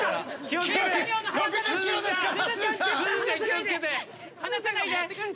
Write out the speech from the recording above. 気を付けて。